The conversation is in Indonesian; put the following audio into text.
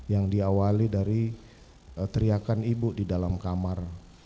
yang diawali dari teriakan ibu di dalam kamar